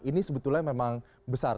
ini sebetulnya memang besar